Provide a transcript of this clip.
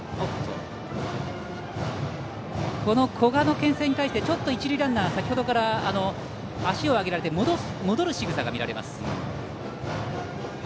この古賀のけん制に対してちょっと一塁ランナーが先程から足を上げられて戻るしぐさが見られます。